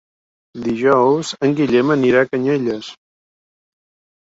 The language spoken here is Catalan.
Dijous en Guillem anirà a Canyelles.